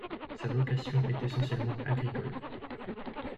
Sa vocation est essentiellement agricole.